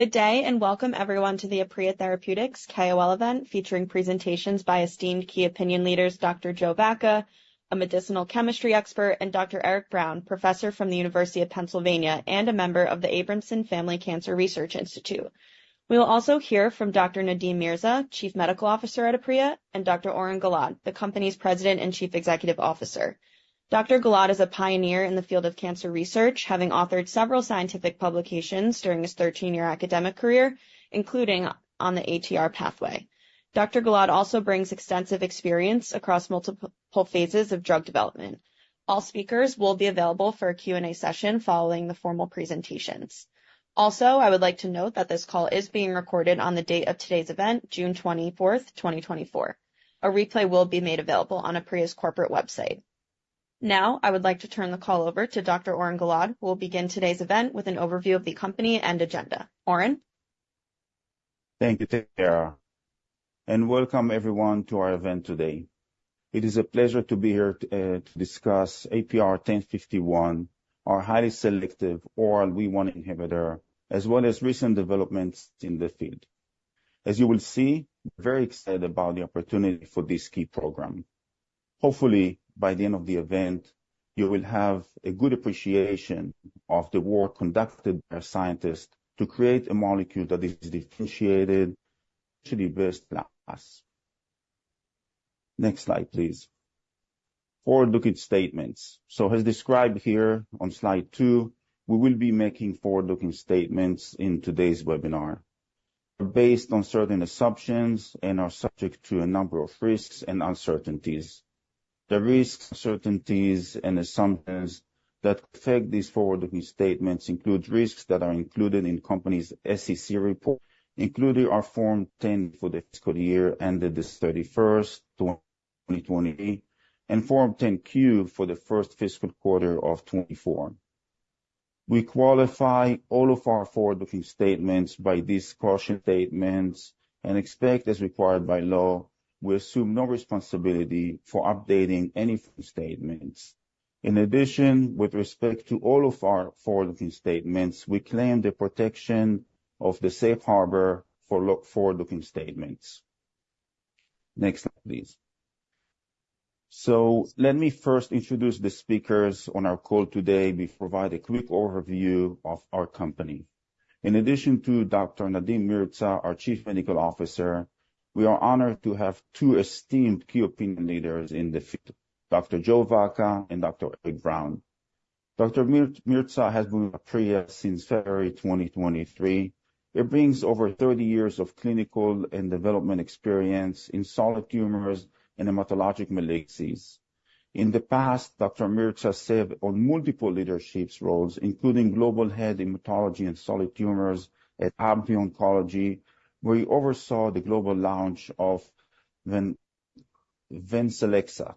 Good day, and welcome everyone to the Aprea Therapeutics KOL event featuring presentations by esteemed key opinion leaders Dr. Joseph Vacca, a medicinal chemistry expert, and Dr. Eric J. Brown, professor from the University of Pennsylvania and a member of the Abramson Family Cancer Research Institute. We will also hear from Dr. Nadeem Mirza, Chief Medical Officer at Aprea, and Dr. Oren Gilad, the company's President and Chief Executive Officer. Dr. Gilad is a pioneer in the field of cancer research, having authored several scientific publications during his 13-year academic career, including on the ATR pathway. Dr. Gilad also brings extensive experience across multiple phases of drug development. All speakers will be available for a Q&A session following the formal presentations. Also, I would like to note that this call is being recorded on the date of today's event, June 24, 2024. A replay will be made available on Aprea's corporate website. Now, I would like to turn the call over to Dr. Oren Gilad, who will begin today's event with an overview of the company and agenda. Oren? Thank you, Tara, and welcome everyone to our event today. It is a pleasure to be here to discuss APR-1051, our highly selective oral WEE1 inhibitor, as well as recent developments in the field. As you will see, we're very excited about the opportunity for this key program. Hopefully, by the end of the event, you will have a good appreciation of the work conducted by our scientists to create a molecule that is differentiated, potentially best-in-class. Next slide, please. Forward-looking statements. So, as described here on slide two, we will be making forward-looking statements in today's webinar. They're based on certain assumptions and are subject to a number of risks and uncertainties. The risks, uncertainties, and assumptions that affect these forward-looking statements include risks that are included in the company's SEC report, including our Form 10-K for the fiscal year ended the 31 December 2020 and Form 10-Q for the first fiscal quarter of 2024. We qualify all of our forward-looking statements by these caution statements and expect, as required by law, we assume no responsibility for updating any forward-looking statements. In addition, with respect to all of our forward-looking statements, we claim the protection of the safe harbor for forward-looking statements. Next slide, please. So, let me first introduce the speakers on our call today. We provide a quick overview of our company. In addition to Dr. Nadeem Mirza, our Chief Medical Officer, we are honored to have two esteemed key opinion leaders in the field, Dr. Joseph Vacca and Dr. Eric J. Brown. Dr. Mirza has been with Aprea since February 2023. He brings over 30 years of clinical and development experience in solid tumors and hematologic malignancies. In the past, Dr. Mirza served on multiple leadership roles, including global head hematology and solid tumors at AbbVie Oncology, where he oversaw the global launch of Venclexta.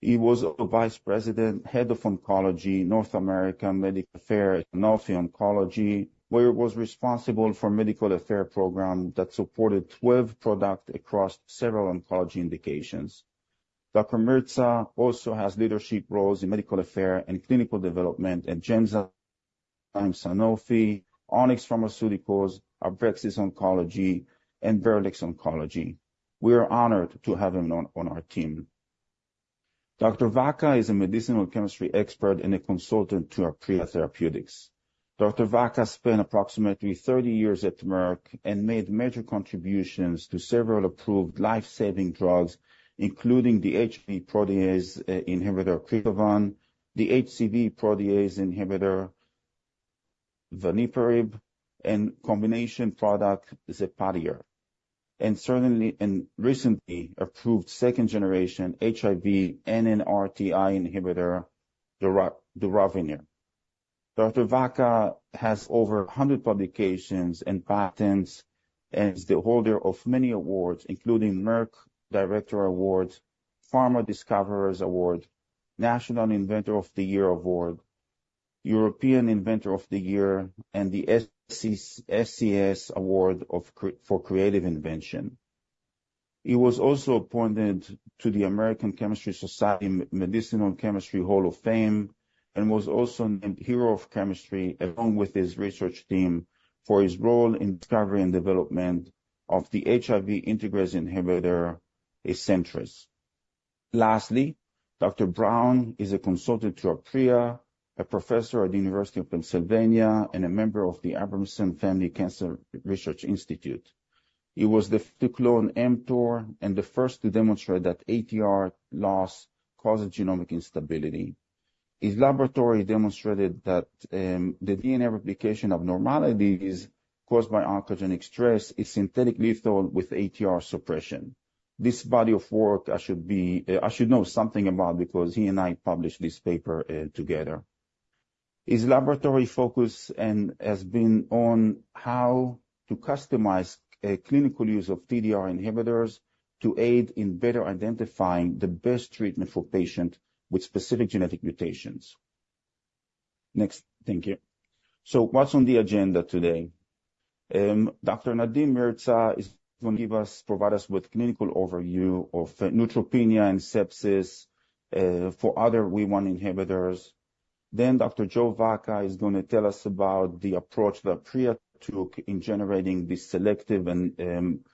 He was also Vice President, Head of Oncology, North American Medical Affairs, and North Oncology, where he was responsible for a medical affairs program that supported 12 products across several oncology indications. Dr. Mirza also has leadership roles in medical affairs and clinical development at Genzyme, Sanofi, Onyx Pharmaceuticals, Abraxis Oncology, and Verastem Oncology. We are honored to have him on our team. Dr. Vacca is a medicinal chemistry expert and a consultant to Aprea Therapeutics. Dr. Vacca spent approximately 30 years at Merck and made major contributions to several approved lifesaving drugs, including the HIV protease inhibitor, Crixivan, the HCV protease inhibitor, Victrelis, and combination product Zepatier, and certainly a recently approved second-generation HIV NNRTI inhibitor, doravirine. Dr. Vacca has over 100 publications and patents and is the holder of many awards, including Merck Director Award, PhRMA Discoverers Award, National Inventor of the Year Award, European Inventor of the Year, and the ACS Award for Creative Invention. He was also appointed to the American Chemical Society Medicinal Chemistry Hall of Fame and was also named Hero of Chemistry along with his research team for his role in the discovery and development of the HIV integrase inhibitor, Isentress. Lastly, Dr. Brown is a consultant to Aprea, a professor at the University of Pennsylvania, and a member of the Abramson Family Cancer Research Institute. He was the first to clone mTOR and the first to demonstrate that ATR loss causes genomic instability. His laboratory demonstrated that the DNA replication abnormalities caused by oncogenic stress is synthetic lethal with ATR suppression. This body of work I should know something about because he and I published this paper together. His laboratory focus has been on how to customize clinical use of DDR inhibitors to aid in better identifying the best treatment for patients with specific genetic mutations. Next, thank you. So, what's on the agenda today? Dr. Nadeem Mirza is going to give us, provide us with a clinical overview of neutropenia and sepsis for other WEE1 inhibitors. Then Dr. Joseph Vacca is going to tell us about the approach that Aprea took in generating the selective and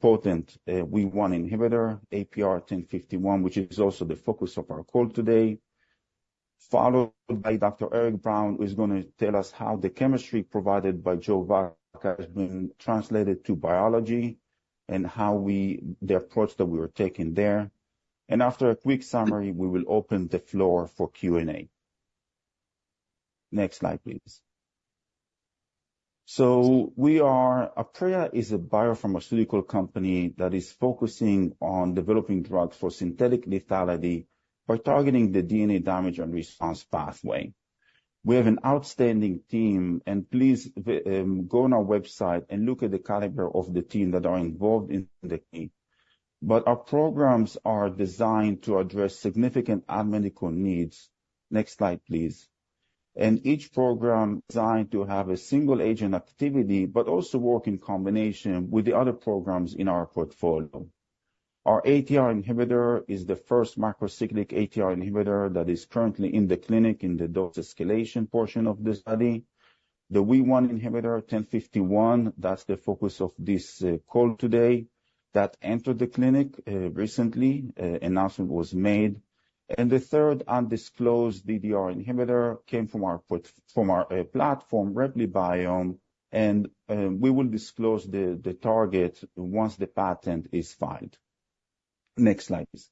potent WEE1 inhibitor, APR-1051, which is also the focus of our call today, followed by Dr. Eric Brown, who is going to tell us how the chemistry provided by Joseph Vacca has been translated to biology and how the approach that we are taking there. After a quick summary, we will open the floor for Q&A. Next slide, please. So, Aprea is a biopharmaceutical company that is focusing on developing drugs for synthetic lethality by targeting the DNA damage response pathway. We have an outstanding team, and please go on our website and look at the caliber of the team that are involved in the team. Our programs are designed to address significant medical needs. Next slide, please. Each program is designed to have a single-agent activity, but also work in combination with the other programs in our portfolio. Our ATR inhibitor is the first macrocyclic ATR inhibitor that is currently in the clinic in the dose escalation portion of the study. The WEE1 inhibitor, 1051, that's the focus of this call today, that entered the clinic recently. Announcement was made. The third undisclosed DDR inhibitor came from our platform, Repli-Biome, and we will disclose the target once the patent is filed. Next slide, please.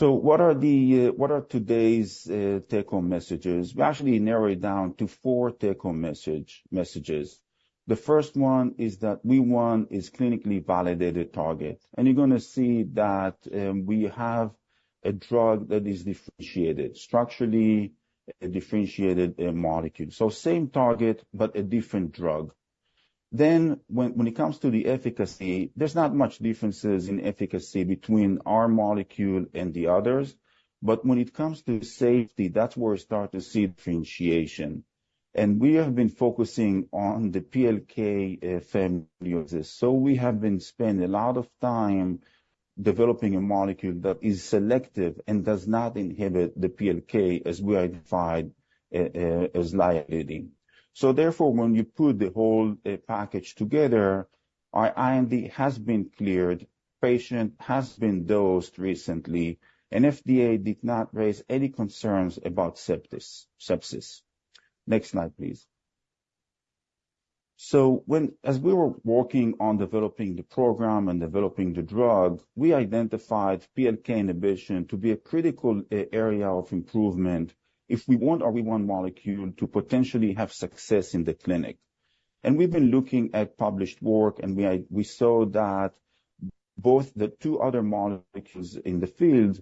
What are today's take-home messages? We actually narrow it down to four take-home messages. The first one is that WEE1 is a clinically validated target. You're going to see that we have a drug that is differentiated, structurally differentiated molecule. Same target, but a different drug. When it comes to the efficacy, there's not much differences in efficacy between our molecule and the others. When it comes to safety, that's where we start to see differentiation. We have been focusing on the PLK family of this. So, we have been spending a lot of time developing a molecule that is selective and does not inhibit the PLK, as we identified as a liability. So, therefore, when you put the whole package together, our IND has been cleared, patient has been dosed recently, and FDA did not raise any concerns about sepsis. Next slide, please. So, as we were working on developing the program and developing the drug, we identified PLK inhibition to be a critical area of improvement if we want our WEE1 molecule to potentially have success in the clinic. We've been looking at published work, and we saw that both the two other molecules in the field,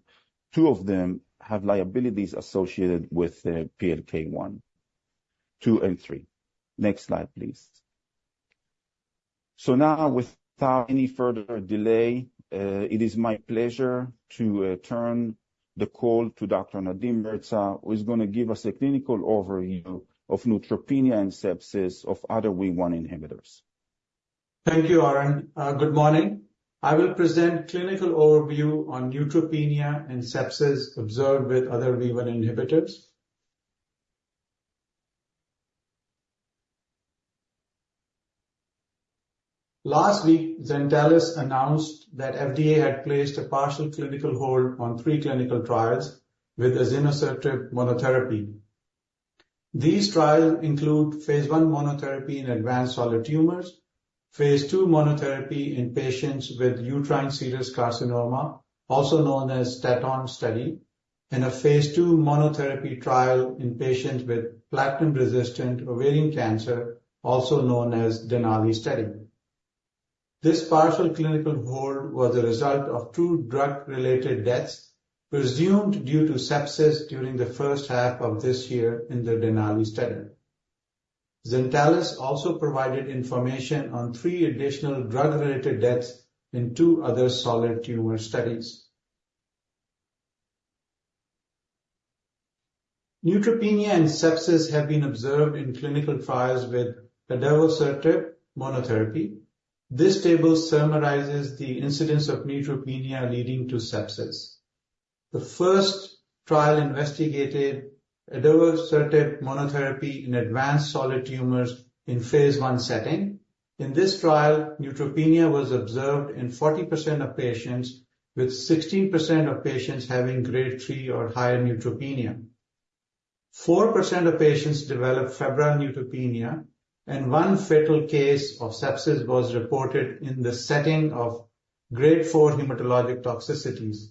two of them have liabilities associated with PLK1, 2, and 3. Next slide, please. Now, without any further delay, it is my pleasure to turn the call to Dr. Nadeem Mirza, who is going to give us a clinical overview of neutropenia and sepsis of other WEE1 inhibitors. Thank you, Oren. Good morning. I will present a clinical overview on neutropenia and sepsis observed with other WEE1 inhibitors. Last week, Zentalis announced that FDA had placed a partial clinical hold on three clinical trials with azenosertib monotherapy. These trials include phase 1 monotherapy in advanced solid tumors, phase 2 monotherapy in patients with uterine serous carcinoma, also known as TETON study, and a phase 2 monotherapy trial in patients with platinum-resistant ovarian cancer, also known as Denali study. This partial clinical hold was a result of two drug-related deaths presumed due to sepsis during the first half of this year in the Denali study. Zentalis also provided information on three additional drug-related deaths in two other solid tumor studies. Neutropenia and sepsis have been observed in clinical trials with azenosertib monotherapy. This table summarizes the incidence of neutropenia leading to sepsis. The first trial investigated adavosertib monotherapy in advanced solid tumors in phase 1 setting. In this trial, neutropenia was observed in 40% of patients, with 16% of patients having grade 3 or higher neutropenia. 4% of patients developed febrile neutropenia, and one fatal case of sepsis was reported in the setting of grade 4 hematologic toxicities.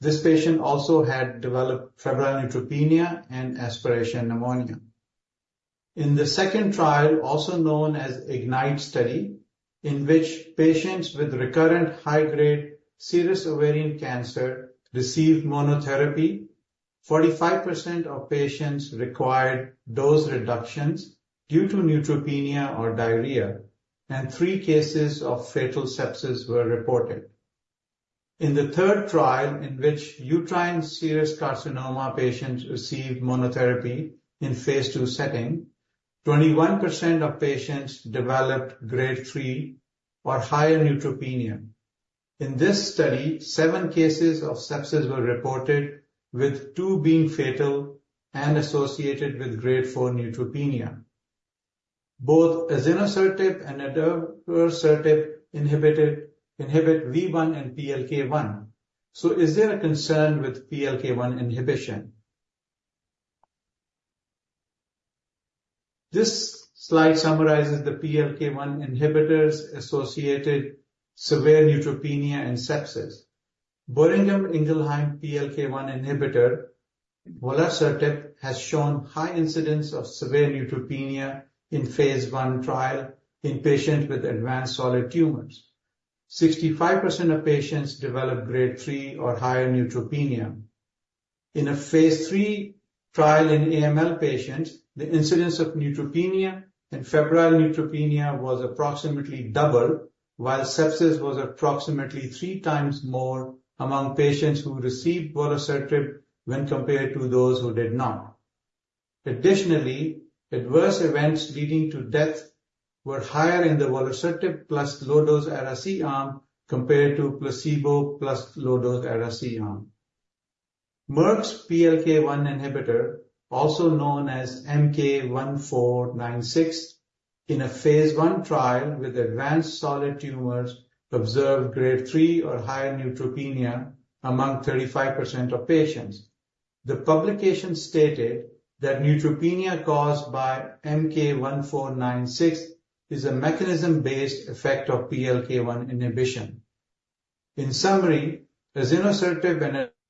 This patient also had developed febrile neutropenia and aspiration pneumonia. In the second trial, also known as Ignite study, in which patients with recurrent high-grade serous ovarian cancer received monotherapy, 45% of patients required dose reductions due to neutropenia or diarrhea, and three cases of fatal sepsis were reported. In the third trial, in which uterine serous carcinoma patients received monotherapy in phase 2 setting, 21% of patients developed grade 3 or higher neutropenia. In this study, seven cases of sepsis were reported, with two being fatal and associated with grade 4 neutropenia. Both azenosertib and adavosertib inhibit WEE1 and PLK1. So, is there a concern with PLK1 inhibition? This slide summarizes the PLK1 inhibitors associated with severe neutropenia and sepsis. Boehringer Ingelheim PLK1 inhibitor, volasertib, has shown high incidence of severe neutropenia in phase 1 trial in patients with advanced solid tumors. 65% of patients developed grade 3 or higher neutropenia. In a phase 3 trial in AML patients, the incidence of neutropenia and febrile neutropenia was approximately double, while sepsis was approximately three times more among patients who received volasertib when compared to those who did not. Additionally, adverse events leading to death were higher in the volasertib plus low-dose Ara-C arm compared to placebo plus low-dose Ara-C arm. Merck's PLK1 inhibitor, also known as MK-1496, in a phase 1 trial with advanced solid tumors observed grade 3 or higher neutropenia among 35% of patients. The publication stated that neutropenia caused by MK-1496 is a mechanism-based effect of PLK1 inhibition. In summary, azenosertib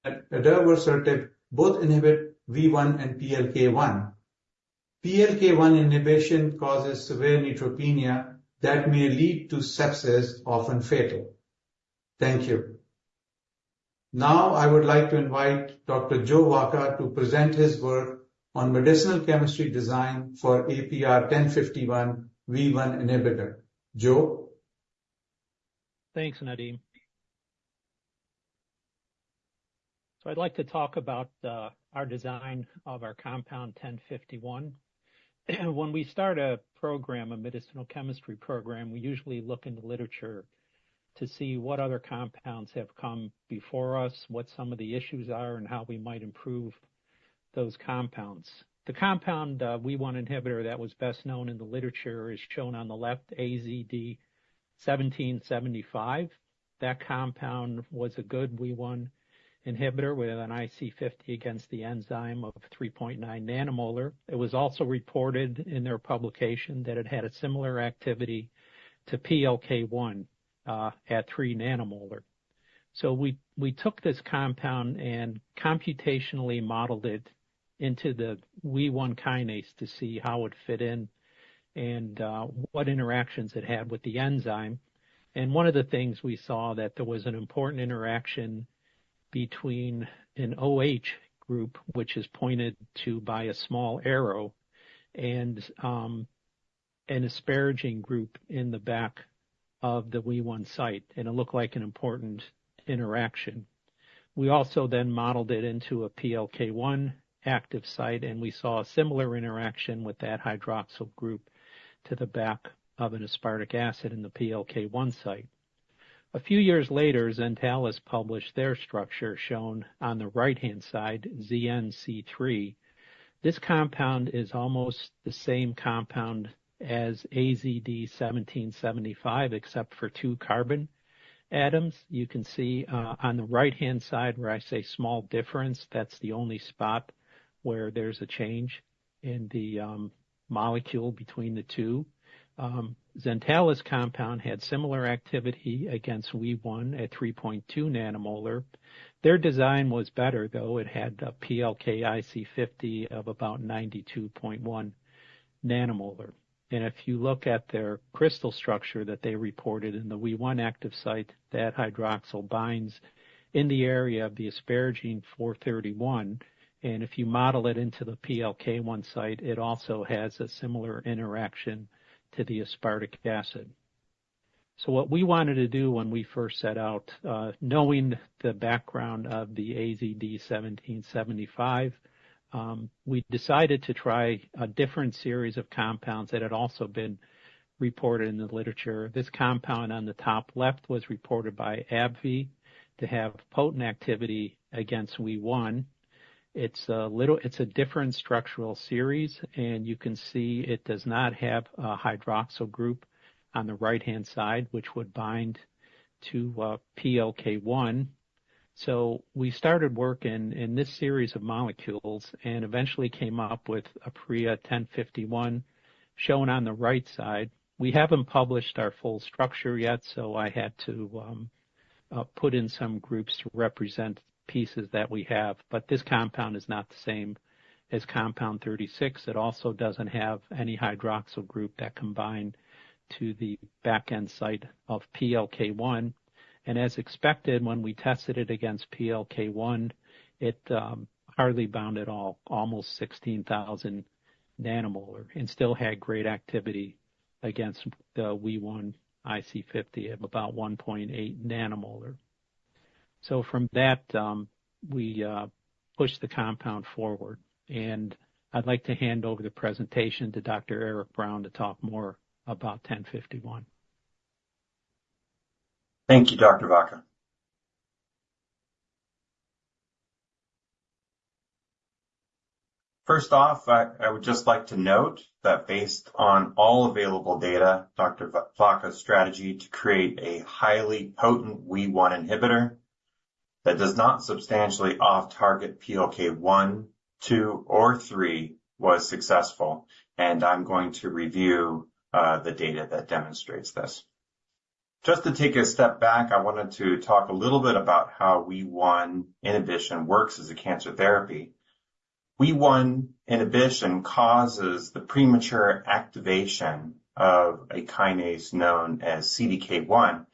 and adavosertib both inhibit WEE1 and PLK1. PLK1 inhibition causes severe neutropenia that may lead to sepsis, often fatal. Thank you. Now, I would like to invite Dr. Joe Vacca to present his work on medicinal chemistry design for APR-1051 WEE1 inhibitor. Joe? Thanks, Nadim. So, I'd like to talk about our design of our compound 1051. When we start a program, a medicinal chemistry program, we usually look in the literature to see what other compounds have come before us, what some of the issues are, and how we might improve those compounds. The compound WEE1 inhibitor that was best known in the literature is shown on the left, AZD1775. That compound was a good WEE1 inhibitor with an IC50 against the enzyme of 3.9 nanomolar. It was also reported in their publication that it had a similar activity to PLK1 at 3 nanomolar. So, we took this compound and computationally modeled it into the WEE1 kinase to see how it fit in and what interactions it had with the enzyme. One of the things we saw that there was an important interaction between an OH group, which is pointed to by a small arrow, and an asparagine group in the back of the WEE1 site. It looked like an important interaction. We also then modeled it into a PLK1 active site, and we saw a similar interaction with that hydroxyl group to the back of an aspartic acid in the PLK1 site. A few years later, Zentalis published their structure shown on the right-hand side, ZN-c3. This compound is almost the same compound as AZD1775, except for two carbon atoms. You can see on the right-hand side where I say small difference, that's the only spot where there's a change in the molecule between the two. Zentalis compound had similar activity against WEE1 at 3.2 nanomolar. Their design was better, though. It had a PLK IC50 of about 92.1 nanomolar. And if you look at their crystal structure that they reported in the WEE1 active site, that hydroxyl binds in the area of the asparagine 431. And if you model it into the PLK1 site, it also has a similar interaction to the aspartic acid. So, what we wanted to do when we first set out, knowing the background of the AZD1775, we decided to try a different series of compounds that had also been reported in the literature. This compound on the top left was reported by AbbVie to have potent activity against WEE1. It's a different structural series, and you can see it does not have a hydroxyl group on the right-hand side, which would bind to PLK1. So, we started working in this series of molecules and eventually came up with APR-1051 shown on the right side. We haven't published our full structure yet, so I had to put in some groups to represent pieces that we have. But this compound is not the same as compound 36. It also doesn't have any hydroxyl group that combined to the back-end site of PLK1. And as expected, when we tested it against PLK1, it hardly bound at all, almost 16,000 nanomolar, and still had great activity against the WEE1 IC50 of about 1.8 nanomolar. So, from that, we pushed the compound forward. And I'd like to hand over the presentation to Dr. Eric Brown to talk more about 1051. Thank you, Dr. Vacca. First off, I would just like to note that based on all available data, Dr. Vacca's strategy to create a highly potent WEE1 inhibitor that does not substantially off-target PLK1, 2, or 3 was successful. I'm going to review the data that demonstrates this. Just to take a step back, I wanted to talk a little bit about how WEE1 inhibition works as a cancer therapy. WEE1 inhibition causes the premature activation of a kinase known as CDK1,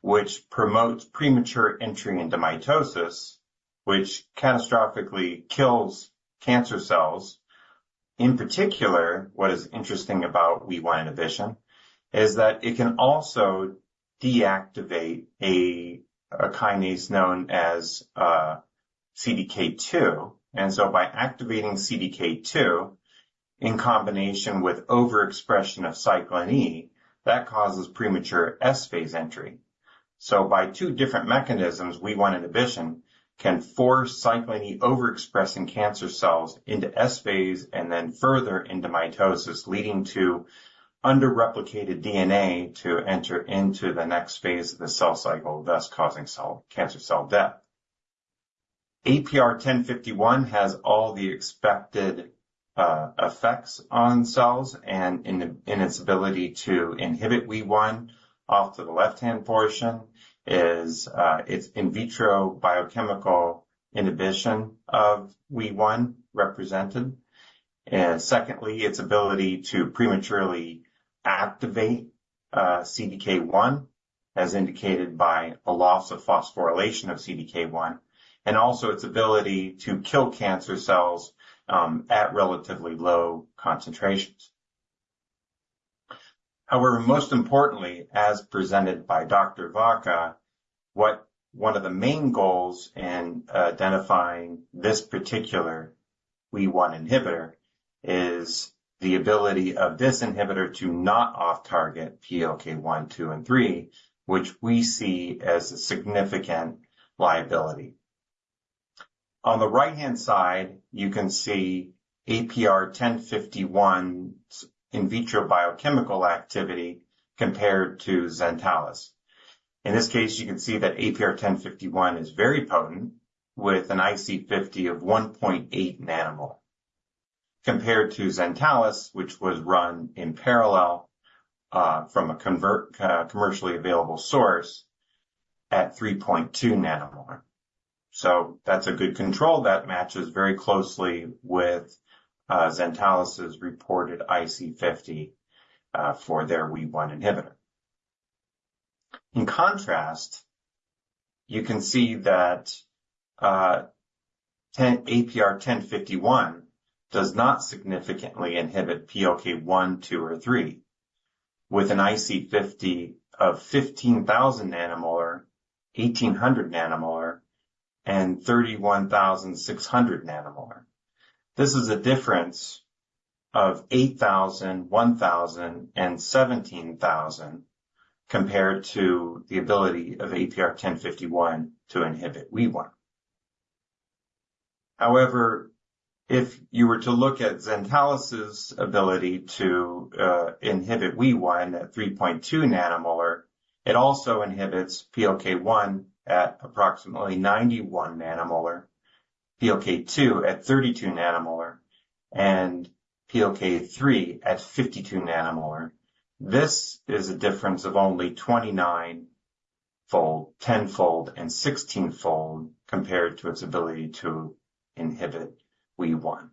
which promotes premature entry into mitosis, which catastrophically kills cancer cells. In particular, what is interesting about WEE1 inhibition is that it can also deactivate a kinase known as CDK2. And so, by activating CDK2 in combination with overexpression of cyclin E, that causes premature S phase entry. By two different mechanisms, WEE1 inhibition can force cyclin E overexpressing cancer cells into S phase and then further into mitosis, leading to under-replicated DNA to enter into the next phase of the cell cycle, thus causing cancer cell death. APR-1051 has all the expected effects on cells. In its ability to inhibit WEE1, off to the left-hand portion is its in vitro biochemical inhibition of WEE1 represented. And secondly, its ability to prematurely activate CDK1, as indicated by a loss of phosphorylation of CDK1, and also its ability to kill cancer cells at relatively low concentrations. However, most importantly, as presented by Dr. Vacca, one of the main goals in identifying this particular WEE1 inhibitor is the ability of this inhibitor to not off-target PLK1, 2, and 3, which we see as a significant liability. On the right-hand side, you can see APR-1051's in vitro biochemical activity compared to Zentalis. In this case, you can see that APR-1051 is very potent with an IC50 of 1.8 nanomolar, compared to Zentalis, which was run in parallel from a commercially available source at 3.2 nanomolar. So, that's a good control that matches very closely with Zentalis's reported IC50 for their WEE1 inhibitor. In contrast, you can see that APR-1051 does not significantly inhibit PLK1, 2, or 3 with an IC50 of 15,000 nanomolar, 1,800 nanomolar, and 31,600 nanomolar. This is a difference of 8,000, 1,000, and 17,000 compared to the ability of APR-1051 to inhibit WEE1. However, if you were to look at Zentalis's ability to inhibit WEE1 at 3.2 nanomolar, it also inhibits PLK1 at approximately 91 nanomolar, PLK2 at 32 nanomolar, and PLK3 at 52 nanomolar. This is a difference of only 29-fold, 10-fold, and 16-fold compared to its ability to inhibit WEE1.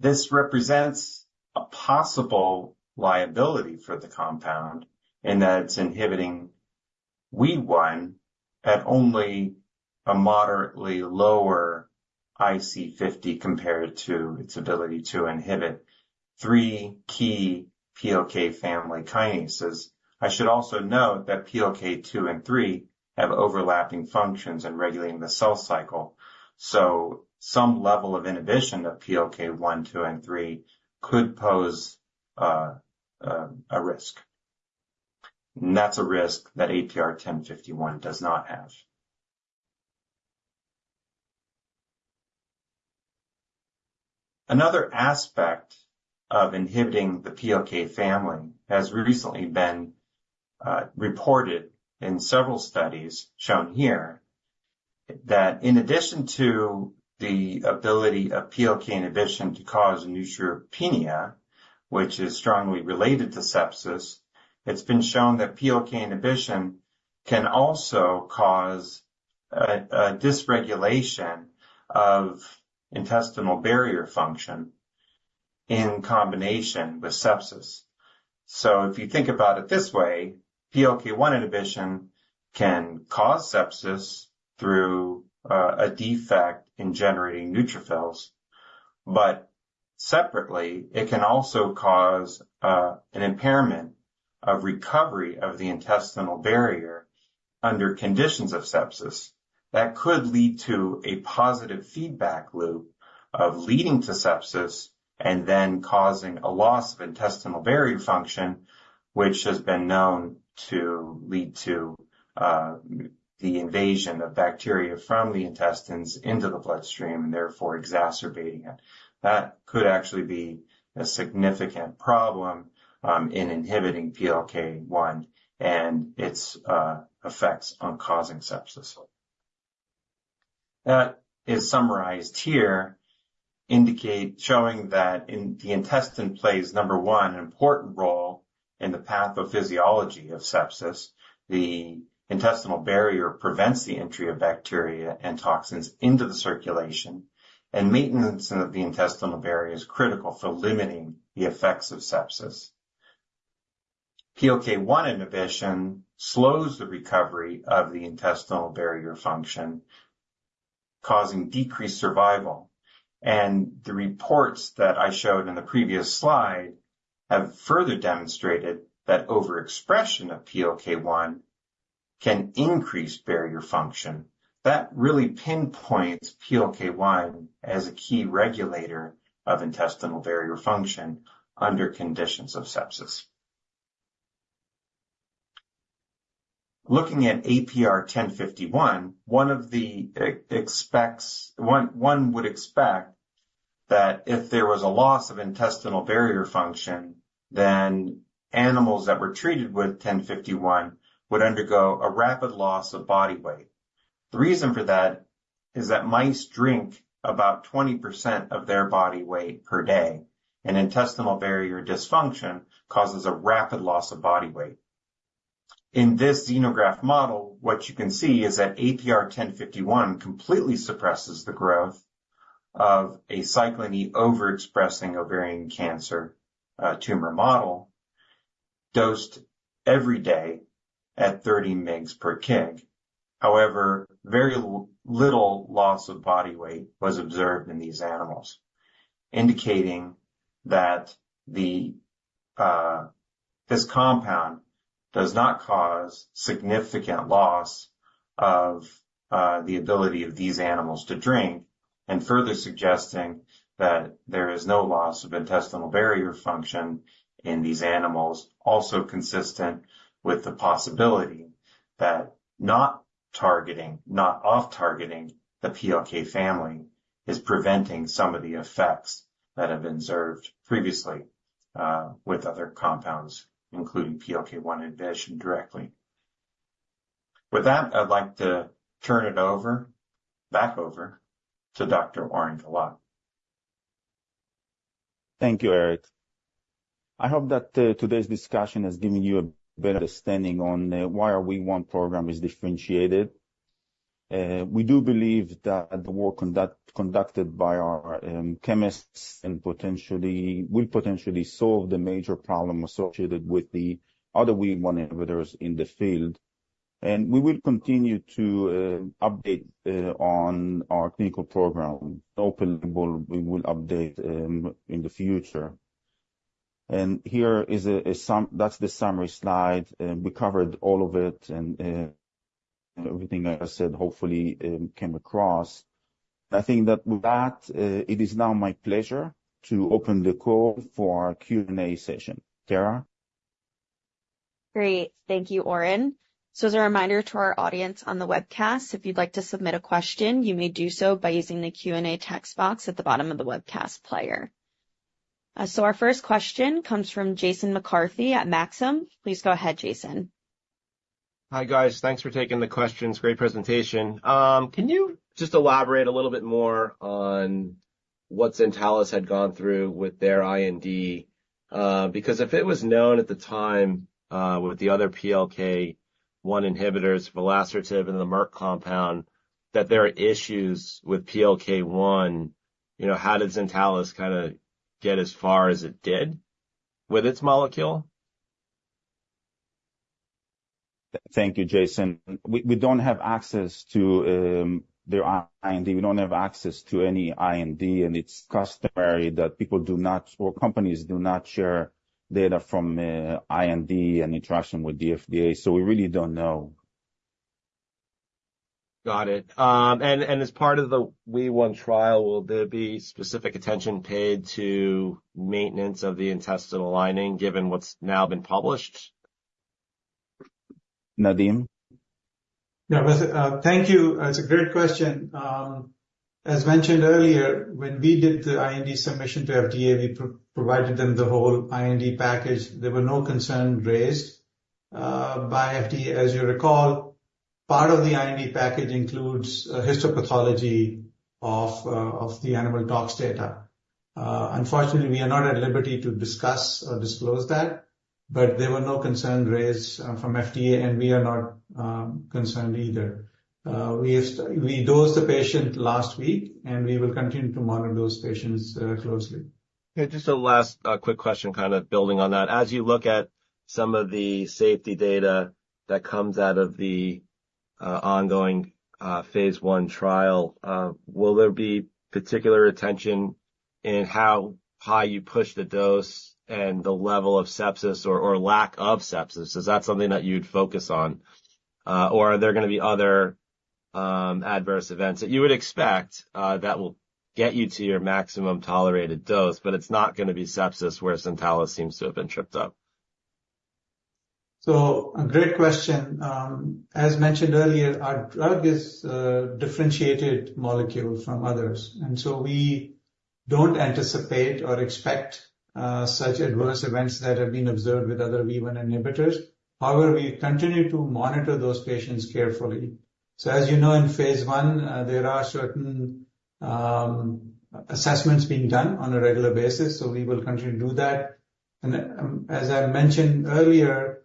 This represents a possible liability for the compound in that it's inhibiting WEE1 at only a moderately lower IC50 compared to its ability to inhibit three key PLK family kinases. I should also note that PLK2 and 3 have overlapping functions in regulating the cell cycle. So, some level of inhibition of PLK1, 2, and 3 could pose a risk. That's a risk that APR-1051 does not have. Another aspect of inhibiting the PLK family has recently been reported in several studies shown here that in addition to the ability of PLK inhibition to cause neutropenia, which is strongly related to sepsis, it's been shown that PLK inhibition can also cause a dysregulation of intestinal barrier function in combination with sepsis. So, if you think about it this way, PLK1 inhibition can cause sepsis through a defect in generating neutrophils. But separately, it can also cause an impairment of recovery of the intestinal barrier under conditions of sepsis that could lead to a positive feedback loop of leading to sepsis and then causing a loss of intestinal barrier function, which has been known to lead to the invasion of bacteria from the intestines into the bloodstream and therefore exacerbating it. That could actually be a significant problem in inhibiting PLK1 and its effects on causing sepsis. That is summarized here, showing that the intestine plays, number one, an important role in the pathophysiology of sepsis. The intestinal barrier prevents the entry of bacteria and toxins into the circulation. And maintenance of the intestinal barrier is critical for limiting the effects of sepsis. PLK1 inhibition slows the recovery of the intestinal barrier function, causing decreased survival. The reports that I showed in the previous slide have further demonstrated that overexpression of PLK1 can increase barrier function. That really pinpoints PLK1 as a key regulator of intestinal barrier function under conditions of sepsis. Looking at APR-1051, one would expect that if there was a loss of intestinal barrier function, then animals that were treated with 1051 would undergo a rapid loss of body weight. The reason for that is that mice drink about 20% of their body weight per day. Intestinal barrier dysfunction causes a rapid loss of body weight. In this xenograft model, what you can see is that APR-1051 completely suppresses the growth of a cyclin E overexpressing ovarian cancer tumor model dosed every day at 30 mg per kg. However, very little loss of body weight was observed in these animals, indicating that this compound does not cause significant loss of the ability of these animals to drink and further suggesting that there is no loss of intestinal barrier function in these animals, also consistent with the possibility that not off-targeting the PLK family is preventing some of the effects that have been observed previously with other compounds, including PLK1 inhibition directly. With that, I'd like to turn it back over to Dr. Oren Gilad. Thank you, Eric. I hope that today's discussion has given you a better understanding on why our WEE1 program is differentiated. We do believe that the work conducted by our chemists will potentially solve the major problem associated with the other WEE1 inhibitors in the field. We will continue to update on our clinical program. Hopefully, we will update in the future. Here is the summary slide. We covered all of it, and everything I said hopefully came across. I think that with that, it is now my pleasure to open the call for our Q&A session. Tara? Great. Thank you, Oren. So, as a reminder to our audience on the webcast, if you'd like to submit a question, you may do so by using the Q&A text box at the bottom of the webcast player. So, our first question comes from Jason McCarthy at Maxim. Please go ahead, Jason. Hi, guys. Thanks for taking the questions. Great presentation. Can you just elaborate a little bit more on what Zentalis had gone through with their IND? Because if it was known at the time with the other PLK1 inhibitors, volasertib and the Merck compound, that there are issues with PLK1, how did Zentalis kind of get as far as it did with its molecule? Thank you, Jason. We don't have access to their IND. We don't have access to any IND. And it's customary that people do not, or companies do not share data from IND and interaction with the FDA. So, we really don't know. Got it. As part of the WEE1 trial, will there be specific attention paid to maintenance of the intestinal lining given what's now been published? Nadeem? No, thank you. It's a great question. As mentioned earlier, when we did the IND submission to FDA, we provided them the whole IND package. There were no concerns raised by FDA. As you recall, part of the IND package includes histopathology of the animal tox data. Unfortunately, we are not at liberty to discuss or disclose that. But there were no concerns raised from FDA, and we are not concerned either. We dosed the patient last week, and we will continue to monitor those patients closely. Just a last quick question, kind of building on that. As you look at some of the safety data that comes out of the ongoing phase 1 trial, will there be particular attention in how high you push the dose and the level of sepsis or lack of sepsis? Is that something that you'd focus on? Or are there going to be other adverse events that you would expect that will get you to your maximum tolerated dose, but it's not going to be sepsis where Zentalis seems to have been tripped up? So, great question. As mentioned earlier, our drug is a differentiated molecule from others. And so, we don't anticipate or expect such adverse events that have been observed with other WEE1 inhibitors. However, we continue to monitor those patients carefully. So, as you know, in phase 1, there are certain assessments being done on a regular basis. So, we will continue to do that. And as I mentioned earlier,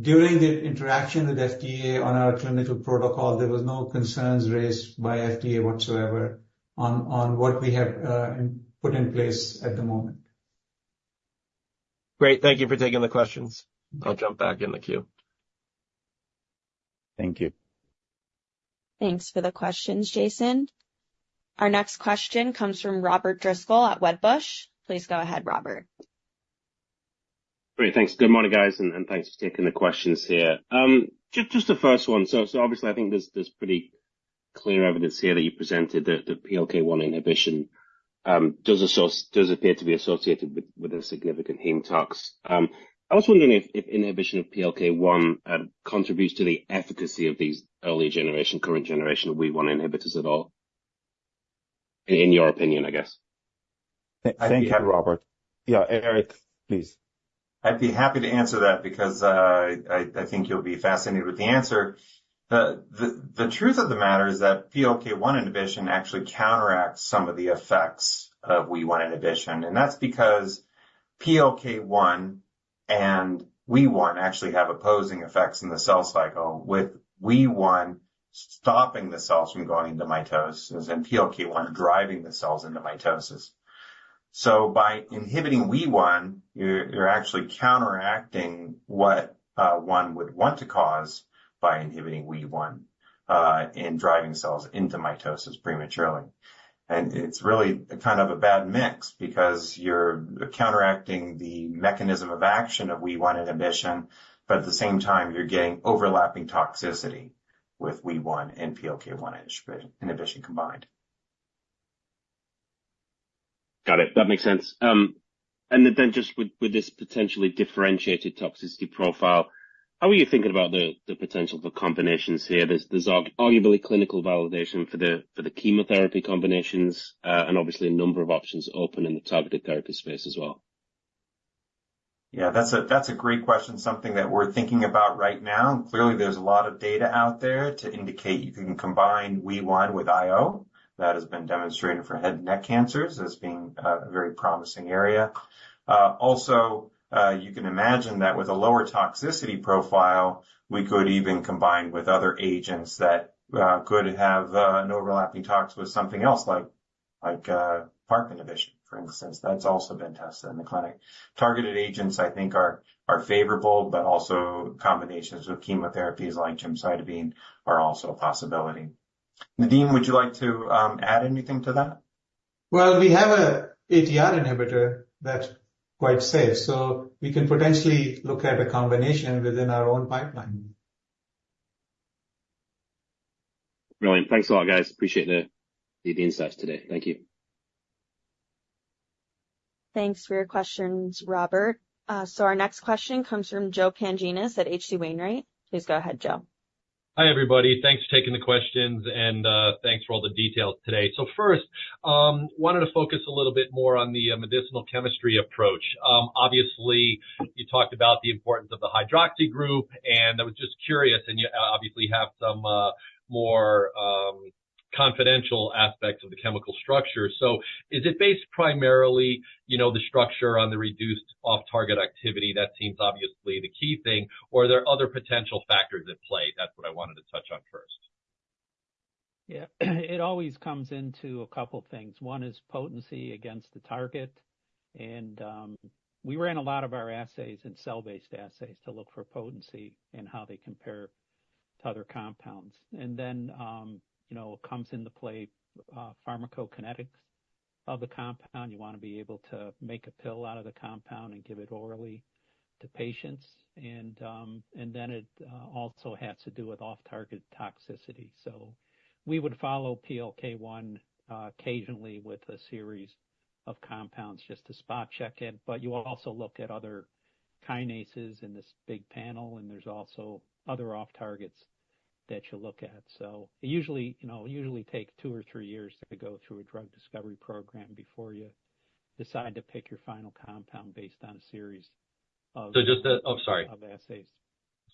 during the interaction with FDA on our clinical protocol, there were no concerns raised by FDA whatsoever on what we have put in place at the moment. Great. Thank you for taking the questions. I'll jump back in the queue. Thank you. Thanks for the questions, Jason. Our next question comes from Robert Driscoll at Wedbush. Please go ahead, Robert. Great. Thanks. Good morning, guys. And thanks for taking the questions here. Just the first one. So, obviously, I think there's pretty clear evidence here that you presented that the PLK1 inhibition does appear to be associated with a significant heme tox. I was wondering if inhibition of PLK1 contributes to the efficacy of these early-generation, current-generation WEE1 inhibitors at all, in your opinion, I guess. Thank you, Robert. Yeah, Eric, please. I'd be happy to answer that because I think you'll be fascinated with the answer. The truth of the matter is that PLK1 inhibition actually counteracts some of the effects of WEE1 inhibition. And that's because PLK1 and WEE1 actually have opposing effects in the cell cycle, with WEE1 stopping the cells from going into mitosis and PLK1 driving the cells into mitosis. So, by inhibiting WEE1, you're actually counteracting what one would want to cause by inhibiting WEE1 and driving cells into mitosis prematurely. And it's really kind of a bad mix because you're counteracting the mechanism of action of WEE1 inhibition, but at the same time, you're getting overlapping toxicity with WEE1 and PLK1 inhibition combined. Got it. That makes sense. And then just with this potentially differentiated toxicity profile, how are you thinking about the potential for combinations here? There's arguably clinical validation for the chemotherapy combinations and obviously a number of options open in the targeted therapy space as well. Yeah, that's a great question. Something that we're thinking about right now. Clearly, there's a lot of data out there to indicate you can combine WEE1 with IO. That has been demonstrated for head and neck cancers as being a very promising area. Also, you can imagine that with a lower toxicity profile, we could even combine with other agents that could have an overlapping tox with something else like PARP inhibition, for instance. That's also been tested in the clinic. Targeted agents, I think, are favorable, but also combinations with chemotherapies like gemcitabine are also a possibility. Nadim, would you like to add anything to that? Well, we have an ATR inhibitor that's quite safe. We can potentially look at a combination within our own pipeline. Brilliant. Thanks a lot, guys. Appreciate the insights today. Thank you. Thanks for your questions, Robert. Our next question comes from Joe Pantginis at H.C. Wainwright. Please go ahead, Joe. Hi, everybody. Thanks for taking the questions. Thanks for all the details today. First, I wanted to focus a little bit more on the medicinal chemistry approach. Obviously, you talked about the importance of the hydroxy group. And I was just curious, and you obviously have some more confidential aspects of the chemical structure. Is it based primarily on the structure, on the reduced off-target activity? That seems obviously the key thing. Or are there other potential factors at play? That's what I wanted to touch on first. Yeah, it always comes into a couple of things. One is potency against the target. And we ran a lot of our assays in cell-based assays to look for potency and how they compare to other compounds. And then it comes into play pharmacokinetics of the compound. You want to be able to make a pill out of the compound and give it orally to patients. And then it also has to do with off-target toxicity. So, we would follow PLK1 occasionally with a series of compounds just to spot check it. But you also look at other kinases in this big panel. And there's also other off-targets that you look at. So, it usually takes two or three years to go through a drug discovery program before you decide to pick your final compound based on a series of. Oh, sorry. Of assays.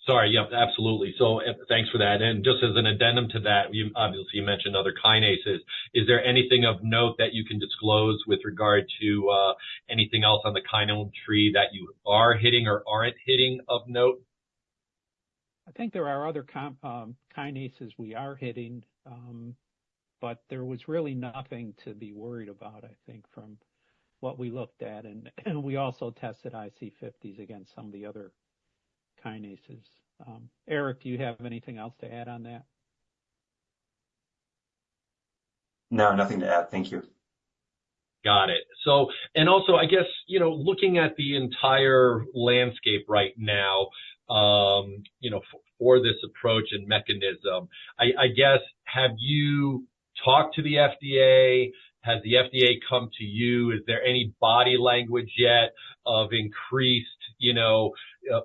Sorry. Yep, absolutely. So, thanks for that. And just as an addendum to that, obviously, you mentioned other kinases. Is there anything of note that you can disclose with regard to anything else on the kinome tree that you are hitting or aren't hitting of note? I think there are other kinases we are hitting, but there was really nothing to be worried about, I think, from what we looked at. We also tested IC50s against some of the other kinases. Eric, do you have anything else to add on that? No, nothing to add. Thank you. Got it. So, and also, I guess, looking at the entire landscape right now for this approach and mechanism, I guess, have you talked to the FDA? Has the FDA come to you? Is there any body language yet of increased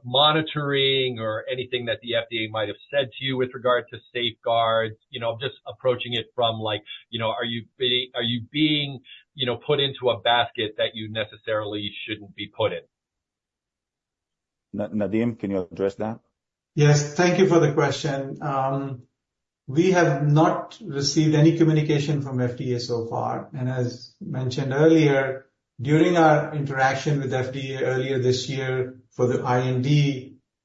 monitoring or anything that the FDA might have said to you with regard to safeguards? Just approaching it from, are you being put into a basket that you necessarily shouldn't be put in? Nadim, can you address that? Yes. Thank you for the question. We have not received any communication from FDA so far. As mentioned earlier, during our interaction with FDA earlier this year for the IND,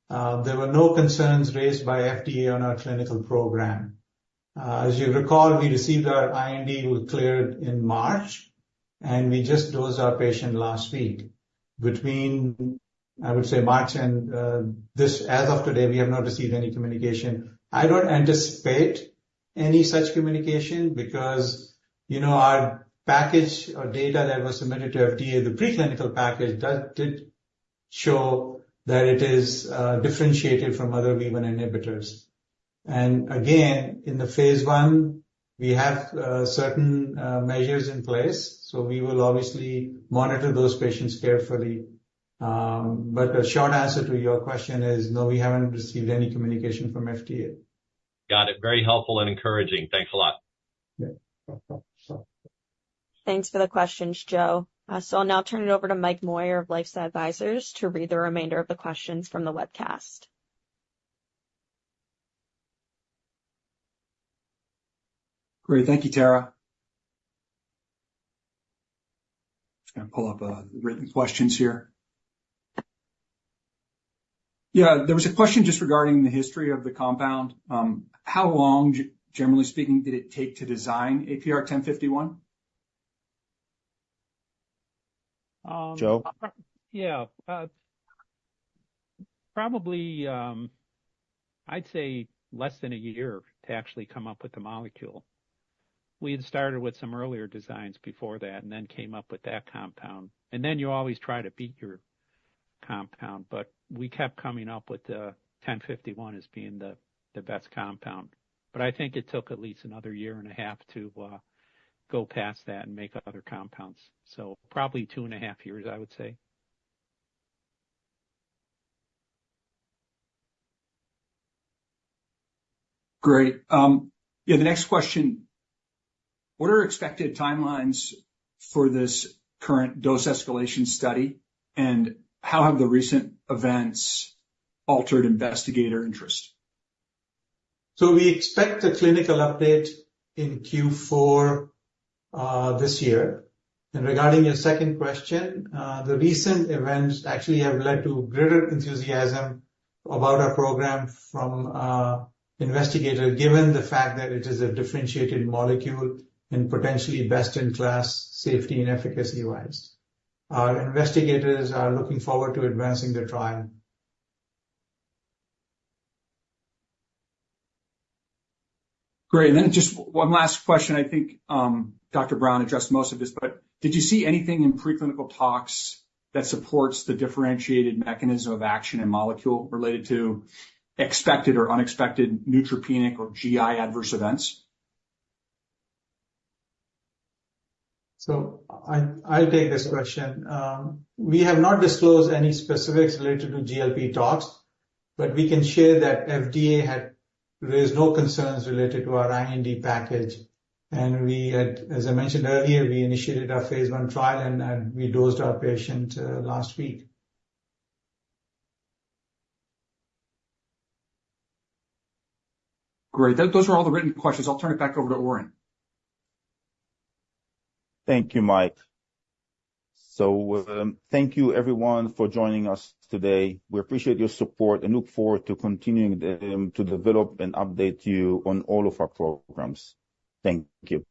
there were no concerns raised by FDA on our clinical program. As you recall, we received our IND, we were cleared in March, and we just dosed our patient last week. Between, I would say, March and this, as of today, we have not received any communication. I don't anticipate any such communication because our package of data that was submitted to FDA, the preclinical package, did show that it is differentiated from other WEE1 inhibitors. Again, in the phase 1, we have certain measures in place. We will obviously monitor those patients carefully. But the short answer to your question is, no, we haven't received any communication from FDA. Got it. Very helpful and encouraging. Thanks a lot. Thanks for the questions, Joe. I'll now turn it over to Mike Moyer of LifeSci Advisors to read the remainder of the questions from the webcast. Great. Thank you, Tara. Just going to pull up the written questions here. Yeah, there was a question just regarding the history of the compound. How long, generally speaking, did it take to design APR-1051? Joe? Yeah. Probably, I'd say less than a year to actually come up with the molecule. We had started with some earlier designs before that and then came up with that compound. Then you always try to beat your compound. We kept coming up with the 1051 as being the best compound. I think it took at least another 1.5 years to go past that and make other compounds. Probably 2.5 years, I would say. Great. Yeah, the next question. What are expected timelines for this current dose escalation study? And how have the recent events altered investigator interest? So, we expect a clinical update in Q4 this year. Regarding your second question, the recent events actually have led to greater enthusiasm about our program from investigators, given the fact that it is a differentiated molecule and potentially best-in-class safety and efficacy-wise. Our investigators are looking forward to advancing the trial. Great. And then just one last question. I think Dr. Brown addressed most of this, but did you see anything in preclinical tox that supports the differentiated mechanism of action and molecule related to expected or unexpected neutropenic or GI adverse events? I'll take this question. We have not disclosed any specifics related to GLP tox, but we can share that FDA had raised no concerns related to our IND package. As I mentioned earlier, we initiated our phase 1 trial, and we dosed our patient last week. Great. Those are all the written questions. I'll turn it back over to Oren. Thank you, Mike. So, thank you, everyone, for joining us today. We appreciate your support and look forward to continuing to develop and update you on all of our programs. Thank you.